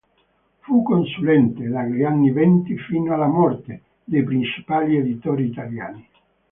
Fu consulente, dagli anni venti fino alla morte, dei principali editori italiani.